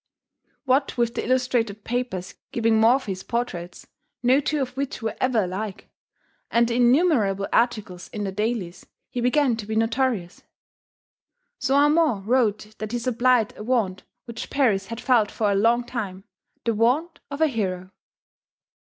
What with the illustrated papers giving Morphy's portraits, no two of which were ever alike, and the innumerable articles in the "dailies," he began to be notorious. Saint Amant wrote that he supplied a want which Paris had felt for a long time the want of a hero.